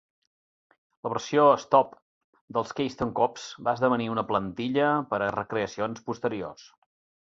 La versió Staub dels Keystone Cops va esdevenir una plantilla per a recreacions posteriors.